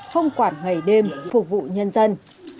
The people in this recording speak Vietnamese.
không quản ngày đêm phục vụ nhân dân